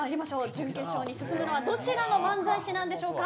準決勝に進むのはどちらの漫才師でしょうか。